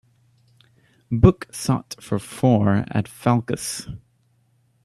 Book sot for four at Fowlkes